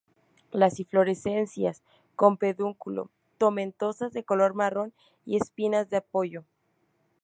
Las inflorescencias con pedúnculo, tomentosas, de color marrón y espinas de apoyo.